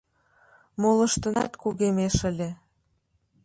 Молыштынат кугемеш ыле.